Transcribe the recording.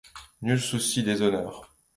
Nul souci des honneurs.